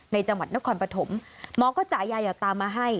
จังหวัดนครปฐมหมอก็จ่ายยาหยอดตามาให้